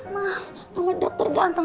mah sama dokter ganteng